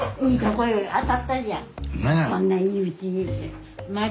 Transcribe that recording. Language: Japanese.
こんないいうちに来て。